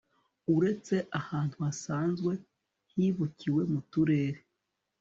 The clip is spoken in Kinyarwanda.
uretse ahantu hasanzwe hibukiwe mu turere